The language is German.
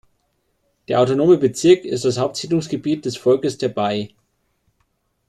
Der Autonome Bezirk ist das Hauptsiedlungsgebiet des Volkes der Bai.